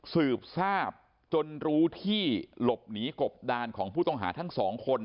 สืบทราบจนรู้ที่หลบหนีกบดานของผู้ต้องหาทั้งสองคน